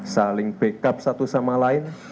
saling backup satu sama lain